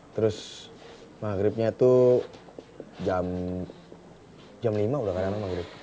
terus maghribnya tuh jam jam lima udah kemana maghrib